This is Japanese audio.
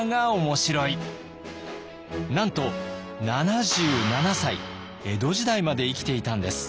なんと７７歳江戸時代まで生きていたんです。